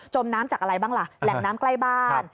มน้ำจากอะไรบ้างล่ะแหล่งน้ำใกล้บ้าน